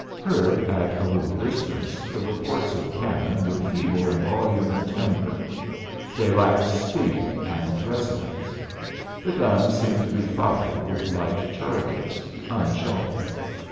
Heard at a little distance, the reports of cannon were feeble in volume and timbre: they lacked sting and resonance. The guns seemed to be fired with light charges, unshotted.